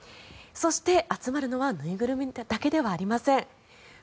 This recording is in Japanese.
そして集まるのは縫いぐるみだけではありません。